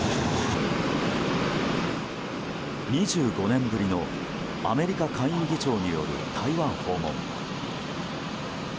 ２５年ぶりのアメリカ下院議長による台湾訪問。